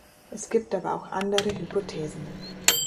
Es gibt aber auch andere Hypothesen.